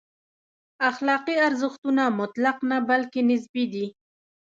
اخلاقي ارزښتونه مطلق نه، بلکې نسبي دي.